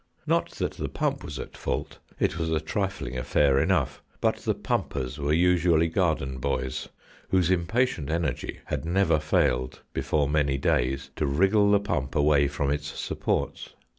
Not that the pump was at fault. It was a trifling affair enough. But the pumpers were usually garden boys, whose impatient energy had never failed, before many days, to wriggle the pump away from its sup ports.